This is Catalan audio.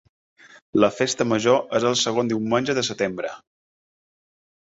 La festa major és el segon diumenge de setembre.